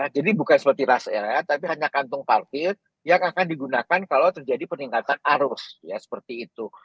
jadi bukan seperti rest area tapi hanya kantung parkir yang akan digunakan kalau terjadi peningkatan arus ya seperti itu